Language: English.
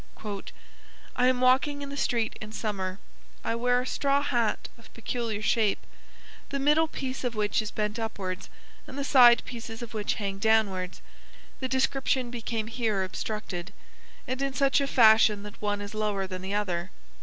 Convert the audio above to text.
"I am walking in the street in summer, I wear a straw hat of peculiar shape, the middle piece of which is bent upwards and the side pieces of which hang downwards (the description became here obstructed), and in such a fashion that one is lower than the other.